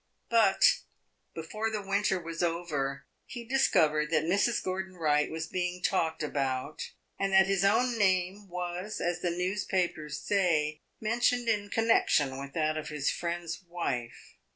But before the winter was over, he discovered that Mrs. Gordon Wright was being talked about, and that his own name was, as the newspapers say, mentioned in connection with that of his friend's wife.